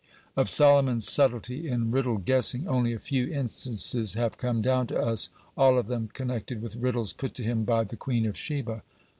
(36) Of Solomon's subtlety in riddle guessing only a few instances have come down to us, all of them connected with riddles put to him by the Queen of Sheba.